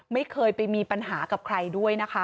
ไม่เคยไปมีปัญหากับใครด้วยนะคะ